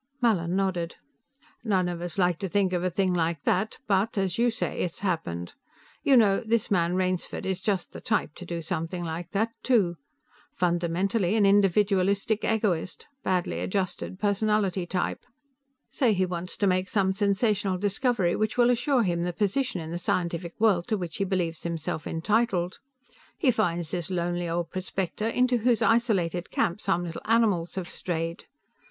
Mallin nodded. "None of us like to think of a thing like that, but, as you say, it's happened. You know, this man Rainsford is just the type to do something like that, too. Fundamentally an individualistic egoist; badly adjusted personality type. Say he wants to make some sensational discovery which will assure him the position in the scientific world to which he believes himself entitled. He finds this lonely old prospector, into whose isolated camp some little animals have strayed.